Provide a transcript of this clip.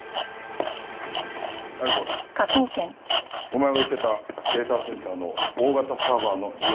お前が言ってたデータセンターの大型サーバーの利用契約書だ。